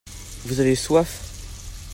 vous avez soif.